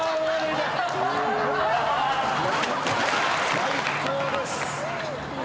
最高です。